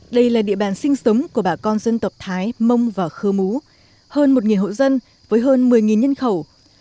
đây là địa bàn sinh sống của bà con dân tộc thái mông và khơ mú hơn một hộ dân với hơn một mươi nhân khẩu